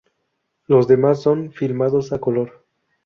Los demás son filmados a color.